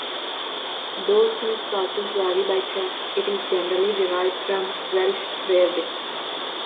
Though cheese sauces vary by chef, it is generally derived from Welsh rarebit.